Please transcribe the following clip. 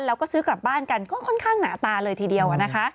แล้วก็ซื้อกลับบ้านกันก็ค่อนข้างหนาตาเลยทีเดียวนะคะ